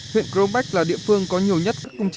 huyện cronbach là địa phương có nhiều nhất